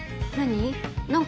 何？